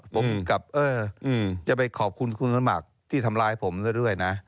ผมกับเออจะไปขอบคุณคุณสมัครที่ทำร้ายผมซะด้วยนะ